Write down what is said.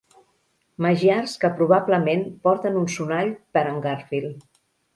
Magiars que probablement porten un sonall per en Garfield.